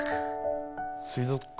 水族館